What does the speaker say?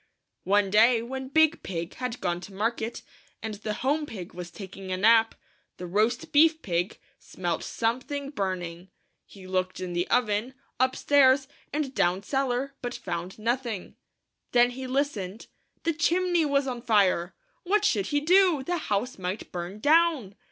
One day, when Big Pig had gone to market, and the Home Pig was taking a nap, the Roast Beef Pig smelt something 167 I THE FIVE LITTLE PIGS. burning. He looked in the oven, up stairs, and down cellar, but found nothing. Then he listened. The chimney was on fire! What should he do ? The house might burn down